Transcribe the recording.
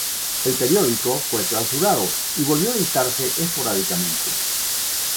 El periódico fue clausurado y volvió a editarse esporádicamente.